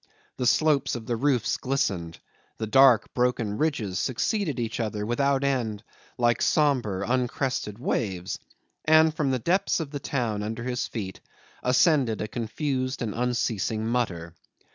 The slopes of the roofs glistened, the dark broken ridges succeeded each other without end like sombre, uncrested waves, and from the depths of the town under his feet ascended a confused and unceasing mutter.